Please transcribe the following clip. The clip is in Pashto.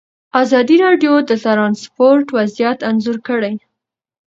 ازادي راډیو د ترانسپورټ وضعیت انځور کړی.